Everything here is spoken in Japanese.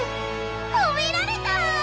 ほめられた！